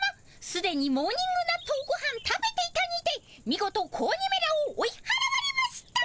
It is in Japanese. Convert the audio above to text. すでにモーニング納豆ごはん食べていたにてみごと子鬼めらをおいはらわれました。